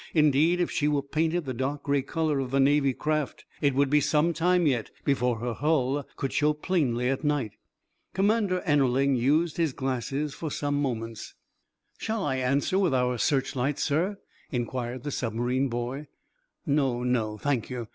Indeed, if she were painted the dark gray color of the Navy craft, it would be some time yet before her hull could show plainly at night. Commander Ennerling used his glasses for some moments. "Shall I answer with our searchlight, sir?" inquired the submarine boy. "No, no, thank you.